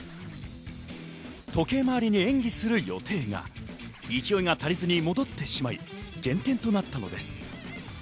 時計回りに演技する予定が、勢いが足りずに戻ってしまい、減点となったのです。